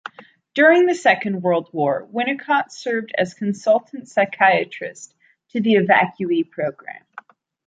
During the Second World War, Winnicott served as consultant psychiatrist to the evacuee programme.